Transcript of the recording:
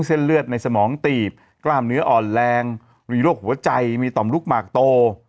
เส้นเลือดในสมองตีบกล้ามเนื้ออ่อนแรงมีโรคหัวใจมีต่อมลูกหมากโต